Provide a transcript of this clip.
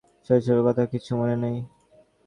যদিও এটা খুবই সম্ভব যে, অমিতার শৈশবের কথা কিছু মনে নেই।